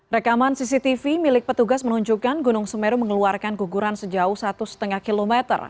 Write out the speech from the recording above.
rekaman cctv milik petugas menunjukkan gunung semeru mengeluarkan guguran sejauh satu lima km